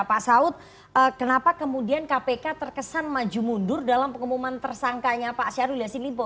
pak saud kenapa kemudian kpk terkesan maju mundur dalam pengumuman tersangkanya pak syahrul yassin limpo